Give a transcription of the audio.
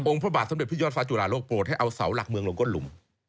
พระบาทสำเร็จพี่ยอดฟ้าจุฬาโลกโปรดให้เอาเสาหลักเมืองลงก้นหลุม